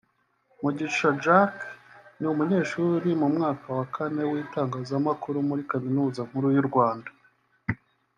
Mugisha Jack ni umunyeshuri mu mwaka wa kane w’itangazamakuru muri Kaminuza Nkuru y’u Rwanda